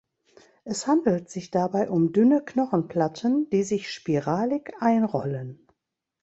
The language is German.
Es handelt sich dabei um dünne Knochenplatten, die sich spiralig einrollen.